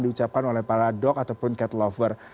diucapkan oleh para dog ataupun cat lover